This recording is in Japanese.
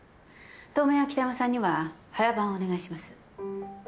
当面は北山さんには早番をお願いします。